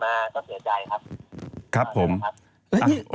เขาก็เสียใจ๖ปีที่ผ่านมาก็เซียใจครับ